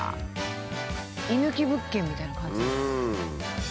居抜き物件みたいな感じ。